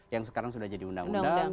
yang sekarang sudah jadi undang undang